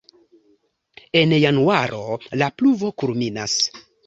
En januaro la pluvo kulminas.